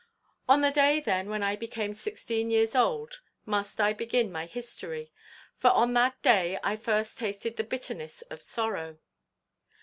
"On the day, then, when I became sixteen years old, must I begin my history; for on that day I first tasted the bitterness of sorrow.